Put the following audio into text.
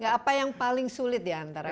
apa yang paling sulit diantara